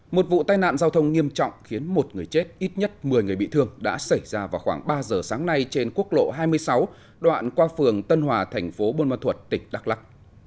một vụ tai nạn giao thông nghiêm trọng khiến một người chết ít nhất một mươi người bị thương đã xảy ra vào khoảng ba giờ sáng nay trên quốc lộ hai mươi sáu đoạn qua phường tân hòa thành phố buôn ma thuật tỉnh đắk lắc